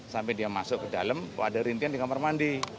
sampai dia masuk ke dalam kok ada rintian di kamar mandi